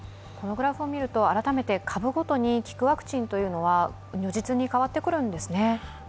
このグラフを見ると改めて株ごとに効くワクチンというのは如実に変わってくるんですね？